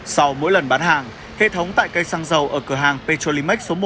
sau mỗi lần bán hàng hệ thống tại cây xăng dầu ở cửa hàng petrolimax số một